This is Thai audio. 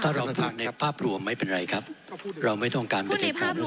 ถ้าเราฟังในภาพรวมไม่เป็นไรครับเราไม่ต้องการพูดในภาพรวมค่ะ